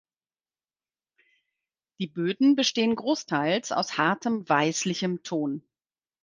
Die Böden bestehen großteils aus hartem weißlichem Ton.